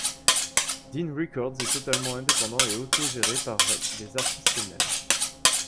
Din Records est totalement indépendant et autogéré par les artistes eux-mêmes.